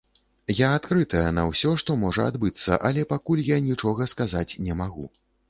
Я адкрытая на ўсё, што можа адбыцца, але пакуль я нічога сказаць не магу.